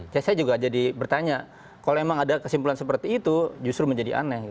saya juga jadi bertanya kalau memang ada kesimpulan seperti itu justru menjadi aneh